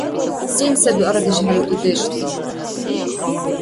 Сен саби арадеш хӀела дудешла?